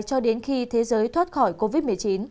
cho đến khi thế giới thoát khỏi covid một mươi chín